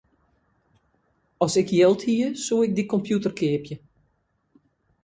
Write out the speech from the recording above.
As ik jild hie, soe ik dy kompjûter keapje.